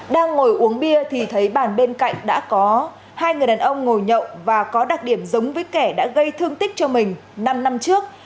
đang ngồi uống bia thì thấy bàn bên cạnh đã có hai người đàn ông ngồi nhậu và có đặc điểm giống với kẻ đã gây thương tích cho mình năm năm trước